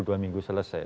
dua minggu selesai